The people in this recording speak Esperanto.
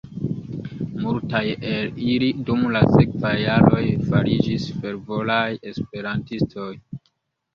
Multaj el ili dum la sekvaj jaroj fariĝis fervoraj esperantistoj.